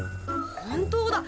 本当だ。